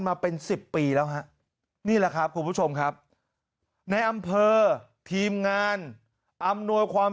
มาเป็น๑๐ปีแล้วนี่แหละครับกูผู้ชมครับแบบทีมงานอำนวยความ